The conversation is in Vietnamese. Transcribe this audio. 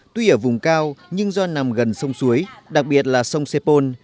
tuy ở vùng cao nhưng do nằm gần sông suối đặc biệt là sông sepol